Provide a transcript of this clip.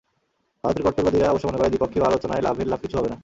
ভারতের কট্টরবাদীরা অবশ্য মনে করে, দ্বিপক্ষীয় আলোচনায় লাভের লাভ কিছু হবে না।